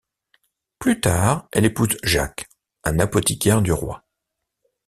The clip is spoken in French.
Plus tard, elle épouse Jacques, un apothicaire du roi.